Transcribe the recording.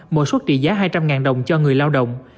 mỗi xuất trị giá hai trăm linh đồng cho người lao động